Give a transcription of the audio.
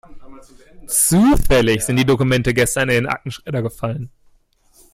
Zufällig sind die Dokumente gestern in den Aktenschredder gefallen.